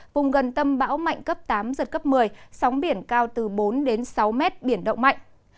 vùng gần tâm bão mạnh cấp tám giật cấp một mươi sóng biển cao từ bốn đến sáu mét biển động mạnh